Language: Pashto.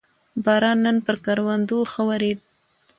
باران نن پر کروندو ښه ورېد